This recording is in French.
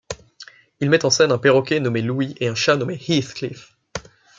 Il met en scène un perroquet nommé Louie et un chat nommé Heathcliff.